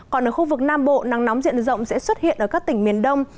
còn ở khu vực nam bộ nắng nóng diện rộng sẽ xuất hiện ở các tỉnh miền đông